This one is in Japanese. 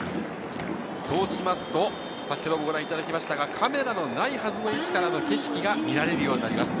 そうしますと、ご覧いただきましたが、カメラがないはずの位置からの景色が見られるようになります。